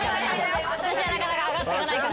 私はなかなか上がってかないから。